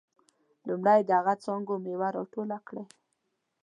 لومړی د هغه څانګو میوه راټوله کړئ.